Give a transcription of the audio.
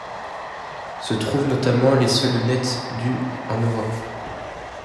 Se trouvent notamment les seules lunettes du en Europe.